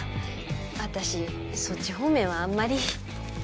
私そっち方面はあんまり。